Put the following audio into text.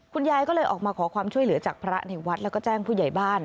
คุณยายก็เลยออกมาขอความช่วยเหลือจากพระในวัดแล้วก็แจ้งผู้ใหญ่บ้าน